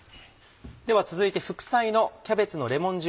では続いて副菜のキャベツのレモン塩